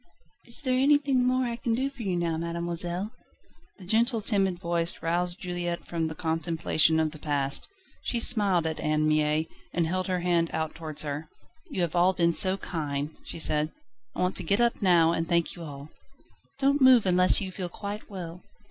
"Is there anything more I can do for you now, mademoiselle?" The gentle, timid voice roused Juliette from the contemplation of the past. She smiled at Anne Mie, and held her hand out towards her. "You have all been so kind," she said, "I want to get up now and thank you all." "Don't move unless you feel quite well."